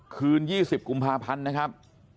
คืน๒๐กุมภาพันธ์นะครับ